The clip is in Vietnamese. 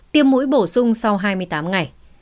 tiêm mũi bổ sung sau hai mươi tám ngày